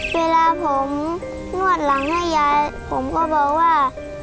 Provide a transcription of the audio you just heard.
เวลาผมนวดหลังให้ยายผมก็บอกว่า